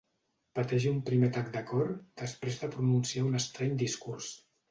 Pateix un primer atac de cor després de pronunciar un estrany discurs.